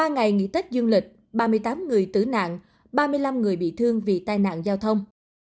ba ngày nghỉ tết dương lịch ba mươi tám người tử nạn ba mươi năm người bị thương vì tai nạn giao thông